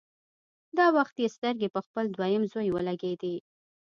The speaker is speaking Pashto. دا وخت يې سترګې په خپل دويم زوی ولګېدې.